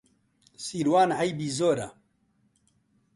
سیروان عەیبی زۆرە.